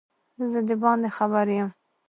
زه دباندي خبر یم